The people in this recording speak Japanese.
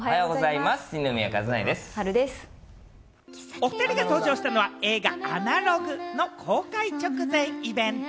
おふたりが登場したのは、映画『アナログ』の公開直前イベント。